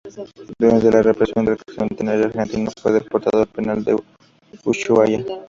Durante la represión del Centenario Argentino fue deportado al Penal de Ushuaia.